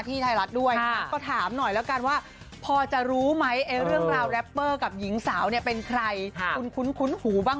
พ่อเขาพาดหวังไปว่าระเปอร์อย่างนี้ก็คิดว่าเป็นไม่ใช่คุณนึง